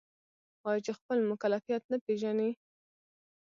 آیا چې خپل مکلفیت نه پیژني؟